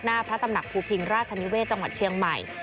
พระตำหนักภูพิงราชนิเวศจังหวัดเชียงใหม่